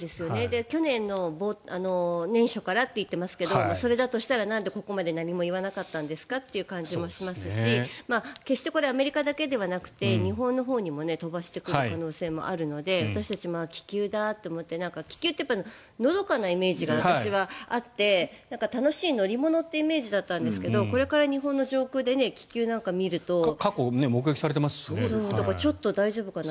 去年の年初からと言っていますけどそれだとしたらなんでここまで何も言わなかったんですかという感じもしますし決してこれアメリカだけではなくて日本のほうにも飛ばしてくる可能性があるので私たちは気球だって思って気球ってのどかなイメージが私はあって楽しい乗り物というイメージだったんですがこれから日本の上空で気球なんか見るとちょっと大丈夫かなって。